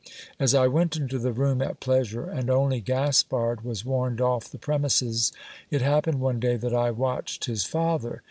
As I went into the room "at pleasure, and only Gaspard was warned off the premises, it happened one day that I watched his father.